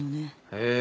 へえ。